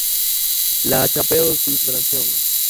La Chapelle-sous-Brancion